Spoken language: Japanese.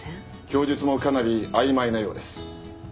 供述もかなり曖昧なようです。